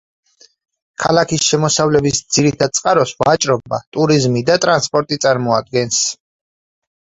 ქალაქის შემოსავლების ძირითად წყაროს ვაჭრობა, ტურიზმი და ტრანსპორტი წარმოადგენს.